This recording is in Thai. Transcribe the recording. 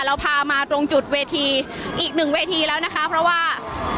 เราพามาตรงจุดเวทีอีกหนึ่งเวทีแล้วนะคะเพราะว่า